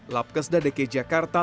labkesda dki jakarta